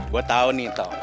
gue tau nih tau